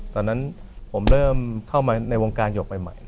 ตอนนั้นผมเริ่มเข้ามาในวงการหยกใหม่